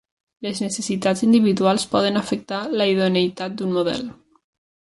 Les necessitats individuals poden afectar la idoneïtat d'un model.